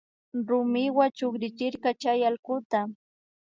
Rumiwa chukrichirka chay allkuta